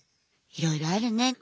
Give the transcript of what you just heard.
いろいろあるね。